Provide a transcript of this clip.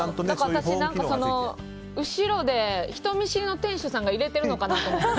私、後ろで人見知りの店主さんが入れてるのかなと思って。